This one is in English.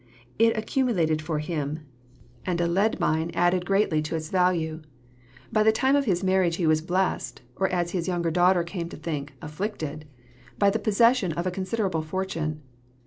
It accumulated for him, and a lead mine added greatly to its value. By the time of his marriage he was blessed (or, as his younger daughter came to think, afflicted) by the possession of a considerable fortune.